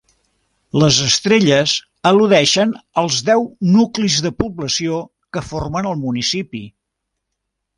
Les estrelles al·ludeixen als deu nuclis de població que formen el municipi.